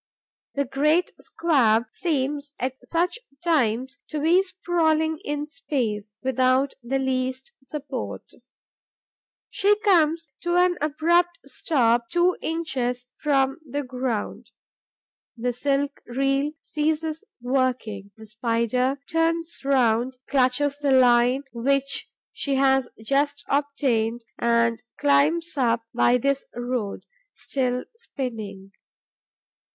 The great squab seems at such times to be sprawling in space, without the least support. She comes to an abrupt stop two inches from the ground; the silk reel ceases working. The Spider turns round, clutches the line which she has just obtained and climbs up by this road, still spinning.